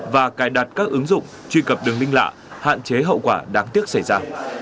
và cài đặt các ứng dụng truy cập đường linh lạ hạn chế hậu quả đáng tiếc xảy ra